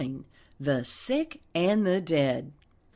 THE SICK AND THE DEAD.